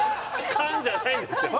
「カン」じゃないんですよ